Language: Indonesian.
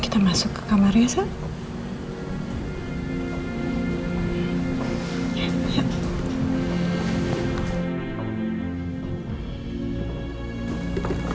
kita masuk ke kamar ya sam